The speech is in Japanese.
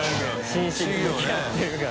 真摯に向き合ってるから。